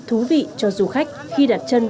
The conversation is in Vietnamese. thú vị cho du khách khi đặt chân